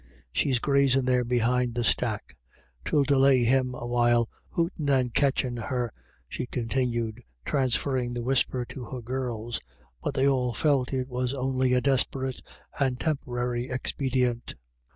She's grazin there behind the stack — 'Twill delay him awhile hoontin' and catchin' her," she continued, transferring the whisper to her girls ; but they all felt it was only a desperate and temporary expedient.